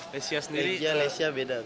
legia lesia beda